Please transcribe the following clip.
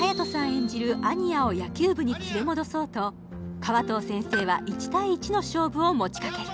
演じる安仁屋を野球部に連れ戻そうと川藤先生は１対１の勝負を持ちかける